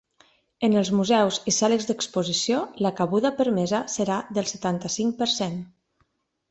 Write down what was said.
En els museus i sales d’exposició la cabuda permesa serà del setanta-cinc per cent.